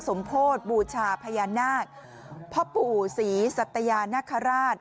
สมโพธิบูชาพญานาคพ่อปู่ศรีสัตยานคราช